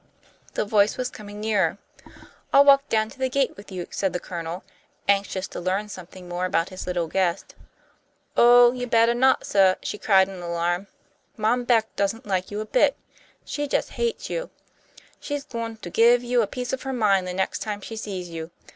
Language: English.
The voice was coming nearer. "I'll walk down to the gate with you," said the Colonel, anxious to learn something more about his little guest. "Oh, you'd bettah not, suh!" she cried in alarm. "Mom Beck doesn't like you a bit. She just hates you! She's goin' to give you a piece of her mind the next time she sees you.